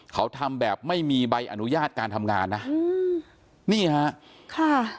เขาทำแบบไม่มีใบอนุญาตการทำงานนะอืมนี่ฮะค่ะ